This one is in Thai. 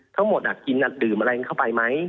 ทั้งหมดกินดื่มอะไรกันเข้าไปไหม